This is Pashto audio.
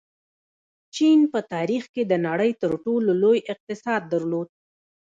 چین په تاریخ کې د نړۍ تر ټولو لوی اقتصاد درلود.